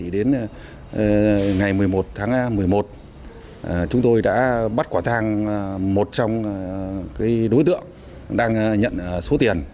đến ngày một mươi một tháng một mươi một chúng tôi đã bắt quả thang một trong đối tượng đang nhận số tiền